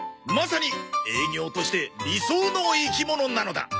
まさに営業として理想の生き物なのだ。